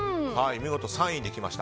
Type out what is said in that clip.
見事３位にきました。